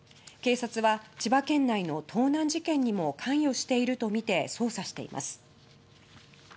警察は千葉県内の盗難事件にも関与しているとみて捜査しています。